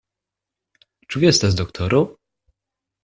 Ĉu vi estas doktoro?